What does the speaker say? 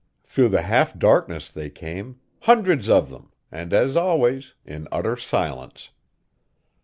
Through the half darkness they came, hundreds of them, and, as always, in utter silence.